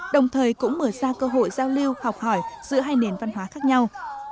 đồng thời cũng mở ra cơ hội giao lưu học hỏi giữa hai nền văn hóa khác nhau